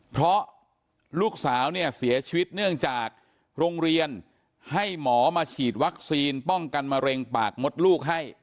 เพราะลูกสาวเนี่ยเสียชีวิตเนื่องจากโรงเรียนให้หมอมาฉีดวัคซีนป้องกันมะเร็งปากมดลูกให้